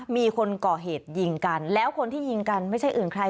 มีคนก่อเหตุยิงกันแล้วคนที่ยิงกันไม่ใช่อื่นใคร